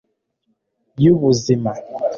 y'ubuzima